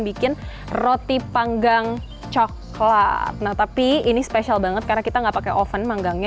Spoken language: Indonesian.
bikin roti panggang coklat nah tapi ini spesial banget karena kita enggak pakai oven manggangnya